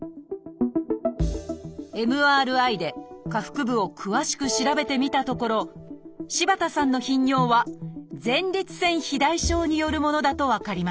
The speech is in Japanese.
ＭＲＩで下腹部を詳しく調べてみたところ柴田さんの頻尿は「前立腺肥大症」によるものだと分かりました。